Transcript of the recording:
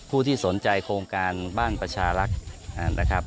ที่สนใจโครงการบ้านประชารักษ์นะครับ